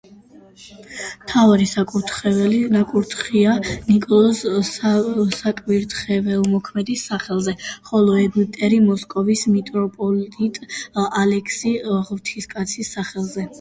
მთავარი საკურთხეველი ნაკურთხია ნიკოლოზ საკვირველთმოქმედის სახელზე, ხოლო ეგვტერი მოსკოვის მიტროპოლიტ ალექსი ღვთისკაცის სახელზე.